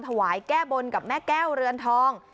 ถวายแก้บนกับแม่แก้วเรือนทอง